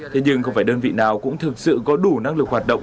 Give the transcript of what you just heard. thế nhưng không phải đơn vị nào cũng thực sự có đủ năng lực hoạt động